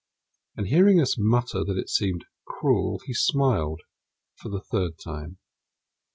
And hearing us mutter that it seemed cruel, he smiled for the third time.